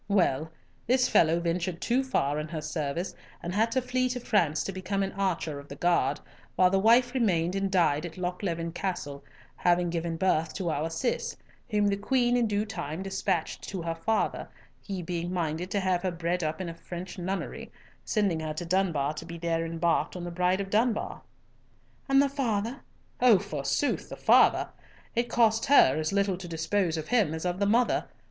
Well, this fellow ventured too far in her service, and had to flee to France to become an archer of the guard, while the wife remained and died at Lochleven Castle, having given birth to our Cis, whom the Queen in due time despatched to her father, he being minded to have her bred up in a French nunnery, sending her to Dunbar to be there embarked in the Bride of Dunbar." "And the father?" "Oh, forsooth, the father! It cost her as little to dispose of him as of the mother.